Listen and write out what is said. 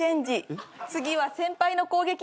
次は先輩の攻撃ですよ。